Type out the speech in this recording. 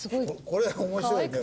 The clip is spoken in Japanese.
これ面白いね。